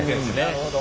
なるほど。